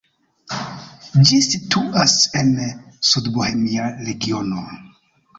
Ĝi situas en Sudbohemia regiono.